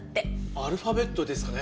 アルファベットですかね？